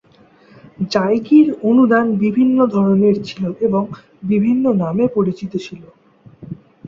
জায়গীর অনুদান বিভিন্ন ধরনের ছিল এবং বিভিন্ন নামে পরিচিত ছিল।